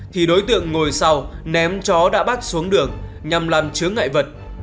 thì đối tượng ngồi sau ném chó đã bắt xuống đường nhằm làm chướng ngại vật